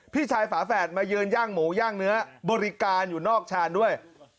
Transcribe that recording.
พี่ชายฝาแฝดมายืนย่างหมูย่างเนื้อบริการอยู่นอกชานด้วย